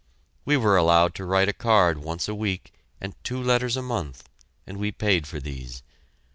We were allowed to write a card once a week and two letters a month; and we paid for these.